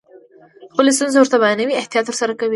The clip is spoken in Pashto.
خپلې ستونزې ورته بیانوئ احتیاط ورسره کوئ.